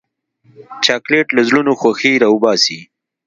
چاکلېټ له زړونو خوښي راوباسي.